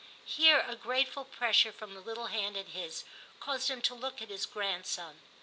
Here a grateful pressure from the little hand in his caused him to look at his grand . son.